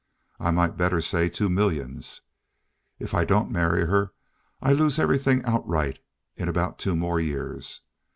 I might better say two millions. If I don't marry her, I lose everything outright in about two more years.